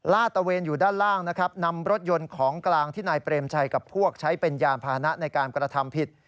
ตะเวนอยู่ด้านล่างนะครับนำรถยนต์ของกลางที่นายเปรมชัยกับพวกใช้เป็นยานพานะในการกระทำผิด